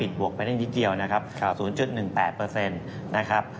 บวกไปได้นิดเดียวนะครับ๐๑๘นะครับ